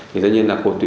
thì tất nhiên là